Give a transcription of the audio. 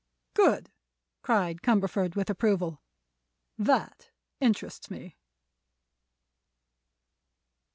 "Good!" cried Cumberford, with approval. "That interests me."